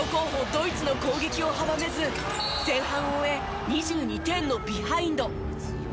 ドイツの攻撃を阻めず前半を終え２２点のビハインド。